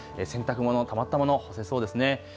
洗濯物、たまったもの、干せそうですね。